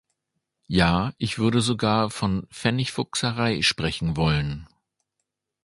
Ja, ich würde sogar von Pfennigfuchserei sprechen wollen.